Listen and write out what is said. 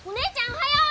おはよう！